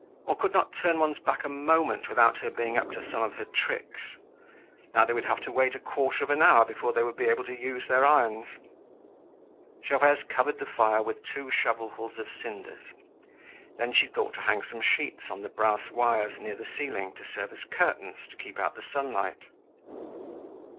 One could not turn one's back a moment without her being up to some of her tricks. Now they would have to wait a quarter of an hour before they would be able to use their irons. Gervaise covered the fire with two shovelfuls of cinders. Then she thought to hang some sheets on the brass wires near the ceiling to serve as curtains to keep out the sunlight.